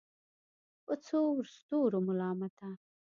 په څو ستورو ملامته